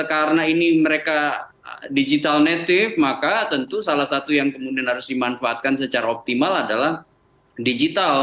karena ini mereka digital native maka tentu salah satu yang kemudian harus dimanfaatkan secara optimal adalah digital